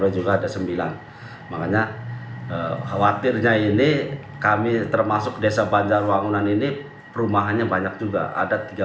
juga ada sembilan makanya khawatirnya ini kami termasuk desa banjarwangan ini perumahannya banyak juga ada tiga